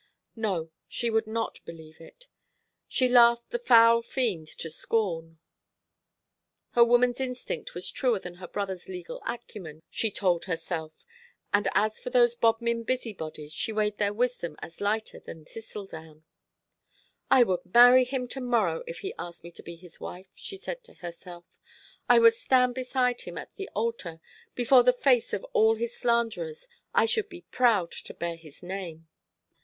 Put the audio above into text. No, she would not believe it. She laughed the foul fiend to scorn. Her woman's instinct was truer than her brother's legal acumen, she told herself; and as for those Bodmin busybodies, she weighed their wisdom as lighter than thistledown. "I would marry him to morrow, if he asked me to be his wife," she said to herself. "I would stand beside him at the altar, before the face of all his slanderers. I should be proud to bear his name."